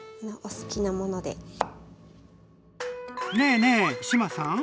ねえねえ志麻さん。